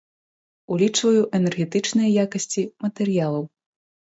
Улічваю энергетычныя якасці матэрыялаў.